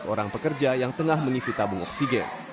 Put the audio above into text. orang pekerja yang tengah menyisi tabung oksigen